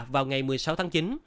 vào ngày một mươi sáu tháng chín